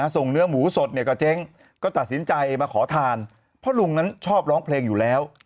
เนื้อหมูสดเนี่ยก็เจ๊งก็ตัดสินใจมาขอทานเพราะลุงนั้นชอบร้องเพลงอยู่แล้ว